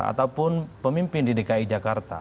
ataupun pemimpin dki jakarta